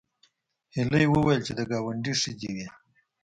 هیلې وویل چې د ګاونډي ښځې وې